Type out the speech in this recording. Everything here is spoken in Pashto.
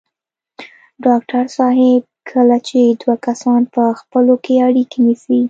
ډاکټر صاحب کله چې دوه کسان په خپلو کې اړيکې نیسي.